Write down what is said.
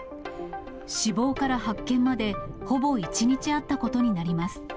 死亡から発見までほぼ１日あったことになります。